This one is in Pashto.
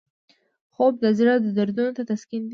خوب د زړه دردونو ته تسکین دی